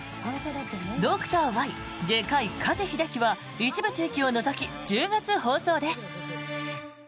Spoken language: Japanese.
「ドクターＹ外科医・加地秀樹」は一部地域を除き１０月放送です。